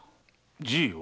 じいを？